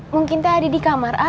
mungkin teh adik di kamar ah